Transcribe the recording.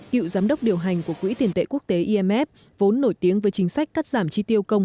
cựu giám đốc điều hành của quỹ tiền tệ quốc tế imf vốn nổi tiếng với chính sách cắt giảm chi tiêu công